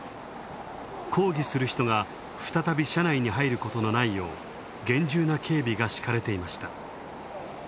抗議する人が、再び車内に入ることのないよう、厳重な警備がしかれていました。